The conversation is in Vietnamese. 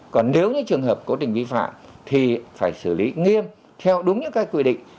còn nếu như trường hợp có tình vi phạm thì phải xử lý nghiêm theo đúng những quy định